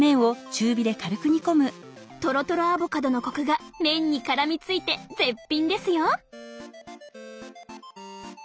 とろとろアボカドのコクが麺にからみついて絶品ですよ！